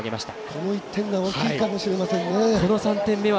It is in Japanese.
この１点が大きいかもしれませんね。